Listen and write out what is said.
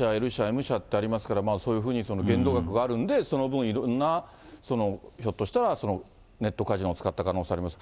Ａ社、Ｌ社、Ｍ社ってありますから、そういうふうに限度額があるんで、その分いろんな、ひょっとしたらネットカジノを使った可能性があります。